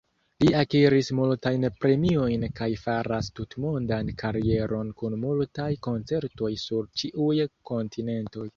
Li akiris multajn premiojn kaj faras tutmondan karieron kun multaj koncertoj sur ĉiuj kontinentoj.